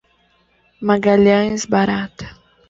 Magalhães Barata